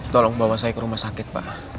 tolong bawa saya ke rumah sakit pak